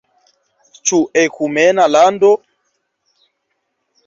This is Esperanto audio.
Ĉu ekumena lando?